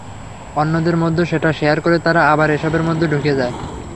অন্যদের মধ্যে সেটা শেয়ার করে তারা আবার এসবের মধ্যে ঢুকে যায়।